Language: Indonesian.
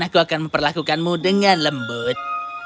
aku akan memperlakukanmu dengan lembut